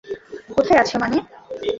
কোথায় আছে মানে?